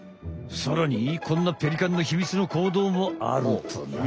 さらにこんなペリカンのヒミツの行動もあるとな。